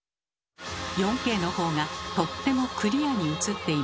４Ｋの方がとってもクリアに映っています。